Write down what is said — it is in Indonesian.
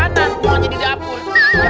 kanan mau aja di dapur